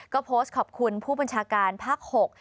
ก็โพสต์ขอบคุณผู้บรรชาการภรรยากาศหก